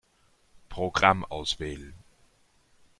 Programm auswählen.